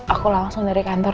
aku langsung dari kantor